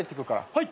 はい。